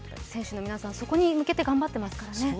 選手の皆さん、そこに向けて頑張ってますからね。